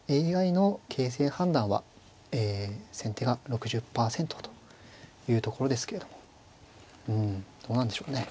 ＡＩの形勢判断はえ先手が６０％というところですけれどもうんどうなんでしょうね。